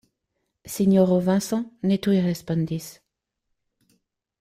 Sinjoro Vincent ne tuj respondis.